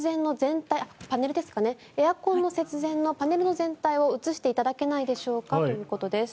エアコンの節電のパネルの全体を映していただけないでしょうかということです。